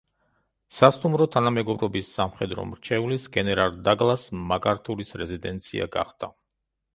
სასტუმრო თანამეგობრობის სამხედრო მრჩევლის, გენერალ დაგლას მაკართურის რეზიდენცია გახდა.